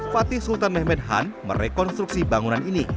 fatih sultan mehmed han merekonstruksi bangunan ini